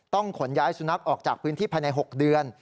ขนย้ายสุนัขออกจากพื้นที่ภายใน๖เดือน